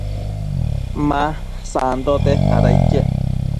ma sandote, ada iquec